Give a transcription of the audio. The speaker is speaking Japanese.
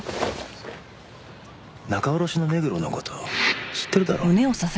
中卸の目黒の事知ってるだろ？